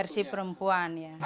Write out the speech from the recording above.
versi perempuan ya